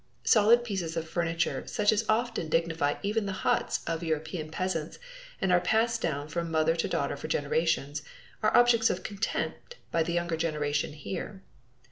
Solid pieces of furniture such as often dignify even the huts of European peasants and are passed down from mother to daughter for generations are objects of contempt by the younger generation here.